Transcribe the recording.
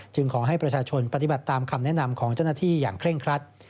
ขอให้ประชาชนปฏิบัติตามคำแนะนำของเจ้าหน้าที่อย่างเคร่งครัด